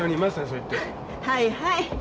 はい。